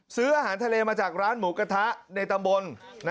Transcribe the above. ซื้ออาหารทะเลมาจากร้านหมูกระทะในตำบล